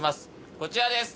こちらです。